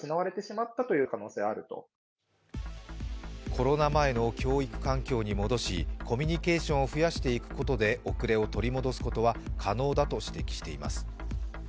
コロナ前の教育環境に戻しコミュニケーションを増やしていくことで遅れを取り戻すことは可能だと指摘しています。